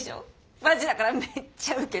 マジだからめっちゃウケる。